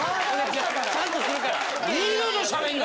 ちゃんとするから。